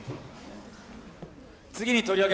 次に取り上げる